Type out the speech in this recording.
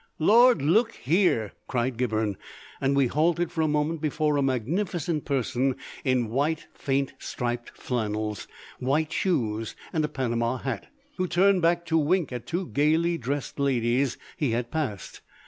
"Lord, look here!" cried Gibberne, and we halted for a moment before a magnificent person in white faint striped flannels, white shoes, and a Panama hat, who turned back to wink at two gaily dressed ladies he had passed.